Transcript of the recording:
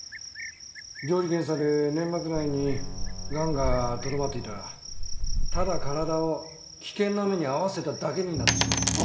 病理検査で粘膜内に癌がとどまっていたらただ体を危険な目に遭わせただけになってしまうんです。